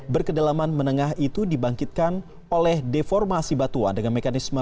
berkedalaman menengah itu dibangkitkan oleh deformasi batuan dengan mekanisme